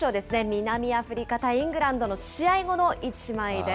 南アフリカ対イングランドの試合後の一枚です。